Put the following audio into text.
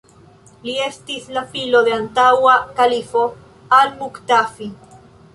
Li estis la filo de antaŭa kalifo al-Muktafi.